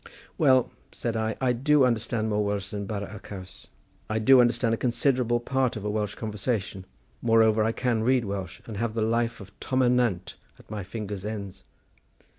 "Well," said I, "I do understand more Welsh than bara y caws—I do understand a considerable part of a Welsh conversation—moreover, I can read Welsh, and have the life of Tom O'r Nant at my fingers' ends."